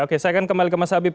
oke saya akan kembali ke mas habib